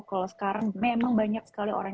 kalau sekarang memang banyak sekali orang